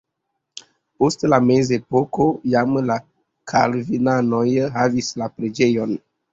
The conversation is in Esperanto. Post la mezepoko jam la kalvinanoj havis la preĝejon.